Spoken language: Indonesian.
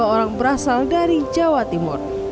tiga puluh dua orang berasal dari jawa timur